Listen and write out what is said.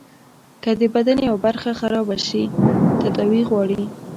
که د بدن يوه برخه خرابه سي تداوي غواړي.